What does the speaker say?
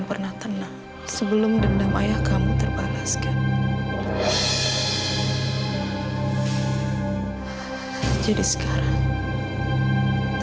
pelan pelan dokter jalannya